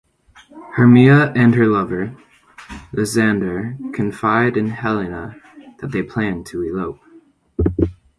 Hermia and her lover, Lysander, confide in Helena that they plan to elope.